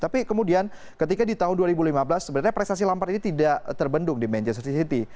tapi kemudian ketika di tahun dua ribu lima belas sebenarnya prestasi lampard ini tidak terbendung di manchester city